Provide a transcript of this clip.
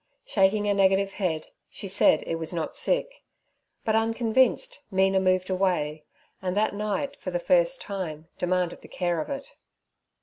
Shaking a negative head, she said it was not sick; but, unconvinced, Mina moved away, and that night for the first time demanded the care of it.